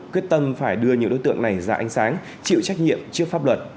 quyết tâm phải đưa những đối tượng này ra ánh sáng chịu trách nhiệm trước pháp luật